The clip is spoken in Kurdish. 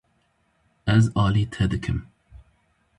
Ez alî te dikim.